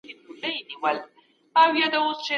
ناسم کار ژر رسوا سي